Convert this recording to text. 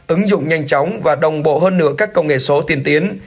ứng dụng nhanh chóng và đồng bộ hơn nữa các công nghệ số tiền tiến